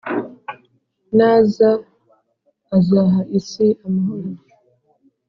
Naza azaha isi amahoro